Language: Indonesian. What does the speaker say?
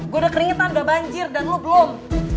gue udah keringetan udah banjir dan lu belum